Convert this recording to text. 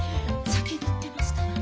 先に行ってますから。